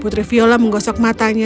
putri viola menggosok matanya